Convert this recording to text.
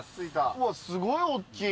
うわっすごいおっきい。